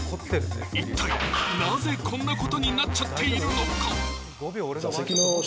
一体、なぜこんなことになっちゃっているのか？